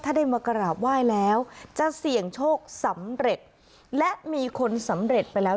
ถ้าได้มากราบไหว้แล้วจะเสี่ยงโชคสำเร็จและมีคนสำเร็จไปแล้ว